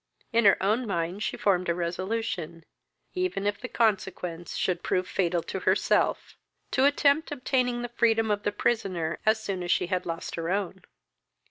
In her own mind she formed a resolution, even if the consequence should prove fatal to herself, to attempt obtaining the freedom of the prisoner as soon as she had lost her own.